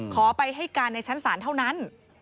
ขอไปให้การในชั้นศาลเท่านั้น